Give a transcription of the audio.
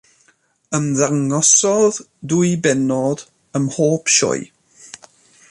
Ymddangosodd dwy bennod ym mhob sioe.